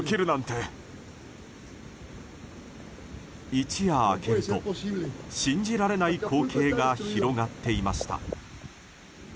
一夜明けると信じられない光景が広がっていました。